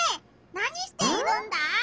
何しているんだ？